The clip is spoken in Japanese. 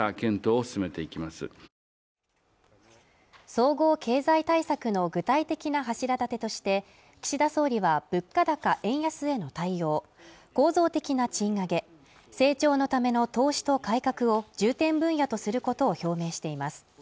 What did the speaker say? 総合経済対策の具体的な柱立てとして岸田総理は物価高・円安への対応構造的な賃上げ成長のための投資と改革を重点分野とすることを表明しています